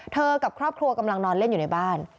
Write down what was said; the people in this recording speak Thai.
กับครอบครัวกำลังนอนเล่นอยู่ในบ้าน